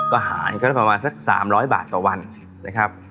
ก็หารก็ประมาณสัก๓๐๐บาทต่อวันนะครับ